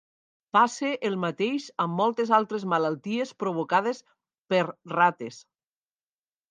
Passa el mateix amb moltes altres malalties provocades per rates.